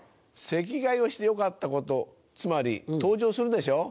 席替えをしてよかったことつまり登場するでしょ？